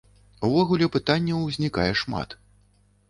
Увогуле пытанняў узнікае шмат.